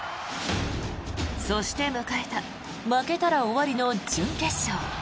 そして迎えた負けたら終わりの準決勝。